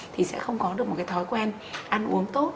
thì sẽ không có được một cái thói quen ăn uống tốt